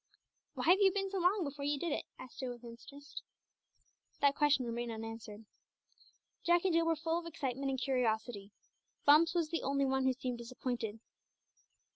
"Why have you been so long before you did it?" asked Jill with interest. That question remained unanswered. Jack and Jill were full of excitement and curiosity. Bumps was the only one who seemed disappointed.